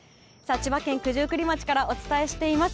千葉県九十九里町からお伝えしています。